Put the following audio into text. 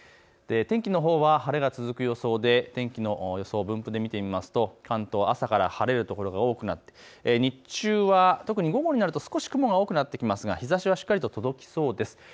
天気のほうは晴れが続く予想で天気の予想分布で見てみますと関東朝から晴れる所が多くなって、日中は特に午後になると雲が多くなってきますが日ざしはしっかりと届きそうです。